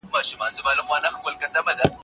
موزي مړ نه شو د هندو قرضداره شومه